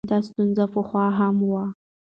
دا ستونزه پخوا هم وه.